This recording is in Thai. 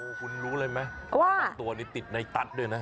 โอ้คุณรู้เลยมั้ยว่าตัวนี้ติดในตั๊ดด้วยนะ